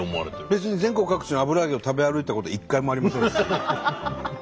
別に全国各地の油揚げを食べ歩いたことは一回もありませんし。